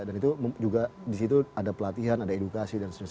dan itu juga disitu ada pelatihan ada edukasi dan sebagainya